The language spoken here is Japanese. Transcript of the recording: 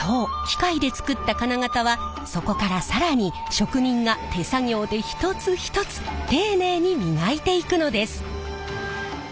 機械で作った金型はそこから更に職人が手作業で一つ一つ丁寧に磨いていくのです。